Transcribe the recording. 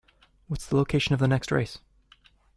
What's the location of the next race?